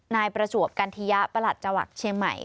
นายประจวบกันทิยะประหลัดจังหวัดเชียงใหม่